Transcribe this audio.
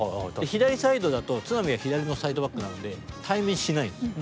左サイドだと都並は左のサイドバックなので対面しないんですよ。